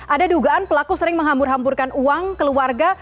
ada dugaan pelaku sering menghambur hamburkan uang keluarga